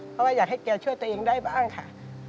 เพราะว่าอยากให้แกช่วยตัวเองได้บ้างค่ะ